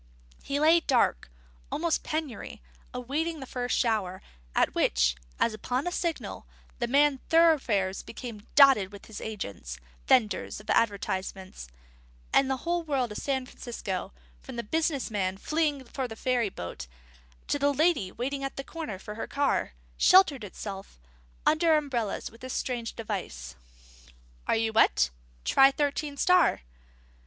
He lay dark, almost in penury, awaiting the first shower, at which, as upon a signal, the main thoroughfares became dotted with his agents, vendors of advertisements; and the whole world of San Francisco, from the businessman fleeing for the ferry boat, to the lady waiting at the corner for her car, sheltered itself under umbrellas with this strange device: Are you wet? Try Thirteen Star.